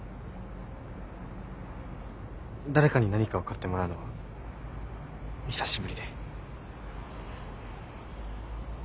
誰かに何かを買ってもらうのは久しぶりで。